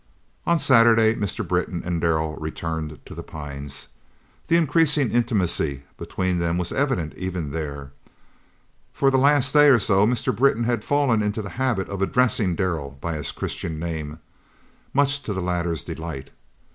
On Saturday Mr. Britton and Darrell returned to The Pines. The increasing intimacy between them was evident even there. For the last day or so Mr. Britton had fallen into the habit of addressing Darrell by his Christian name, much to the latter's delight.